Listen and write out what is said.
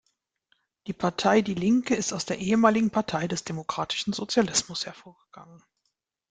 Die Partei die Linke ist aus der ehemaligen Partei des Demokratischen Sozialismus hervorgegangen.